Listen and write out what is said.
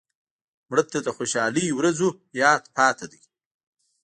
مړه ته د خوشحالۍ ورځو یاد پاتې دی